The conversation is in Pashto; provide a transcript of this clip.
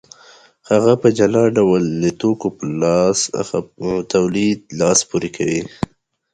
هغه په جلا ډول د توکو په تولید لاس پورې کوي